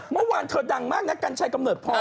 เมื่อวานเธอดังมากนะกัญชัยกำเนิดพอ